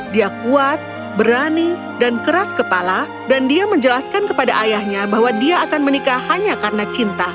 dia kuat berani dan keras kepala dan dia menjelaskan kepada ayahnya bahwa dia akan menikah hanya karena cinta